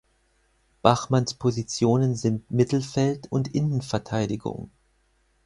Bachmanns Positionen sind Mittelfeld und Innenverteidigung.